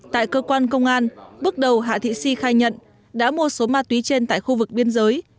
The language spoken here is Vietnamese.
tại cơ quan công an bước đầu hạ thị si khai nhận đã mua số ma túy trên tại khu vực biên giới